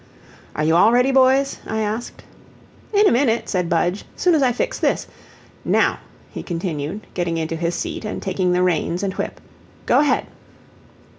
"Are you all ready, boys?" I asked. "In a minute," said Budge; "soon as I fix this. Now," he continued, getting into his seat, and taking the reins and whip, "go ahead."